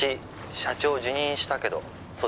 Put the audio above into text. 社長辞任したけど